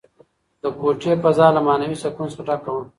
د کوټې فضا له معنوي سکون څخه ډکه وه.